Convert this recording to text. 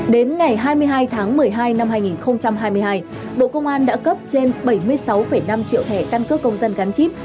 đến ngày hai mươi hai tháng một mươi hai năm hai nghìn hai mươi hai bộ công an đã cấp trên bảy mươi sáu năm triệu thẻ căn cước công dân gắn chip